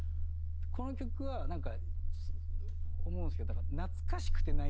この曲はなんか思うんですけど。